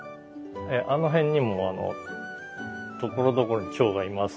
あの辺にもところどころにチョウがいます。